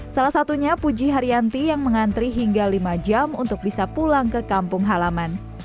salah satunya puji haryanti yang mengantri hingga lima jam untuk bisa pulang ke kampung halaman